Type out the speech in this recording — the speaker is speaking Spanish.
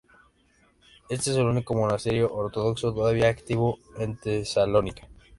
Este es el único monasterio ortodoxo todavía activo en Tesalónica.